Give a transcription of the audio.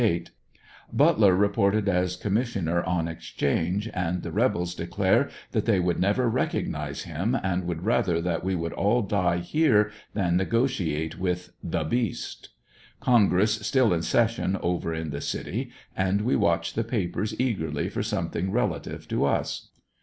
— Butler reported as commissioner on exchange and the rebels declare that they would never recognize him and would rath er that we should all die here than negotiate with the Beast Con gress still in session over in the city and we watch the papers eager ly for something, relative to us.